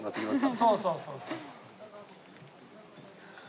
そうそうそうそう。